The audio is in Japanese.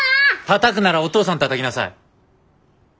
たたくならお父さんたたきなさい。